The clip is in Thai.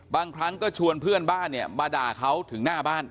บางครั้งก็ชวนเพื่อนบ้านเนี่ยมาด่าเขาถึงหน้าบ้าน